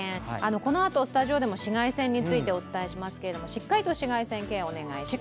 このあとスタジオでも紫外線についてお伝えしますけれどもしっかりと紫外線ケアをお願いします。